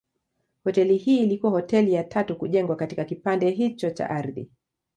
Hoteli hii ilikuwa hoteli ya tatu kujengwa katika kipande hicho cha ardhi.